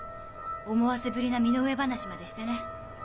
思わせぶりな身の上話までしてね。